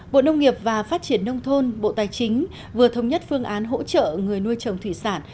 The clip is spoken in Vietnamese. bộ nông nghiệp và phát triển nông thôn bộ tài chính vừa thống nhất phương án hỗ trợ người nuôi trồng thủy sản